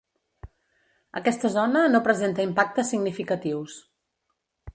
Aquesta zona no presenta impactes significatius.